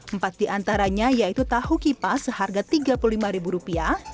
empat diantaranya yaitu tahu kipas seharga tiga puluh lima rupiah